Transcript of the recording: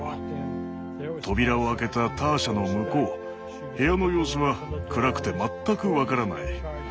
扉を開けたターシャの向こう部屋の様子は暗くて全く分からない。